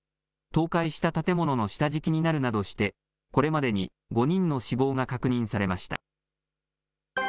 倒壊した建物の下敷きになるなどして、これまでに５人の死亡が確認されました。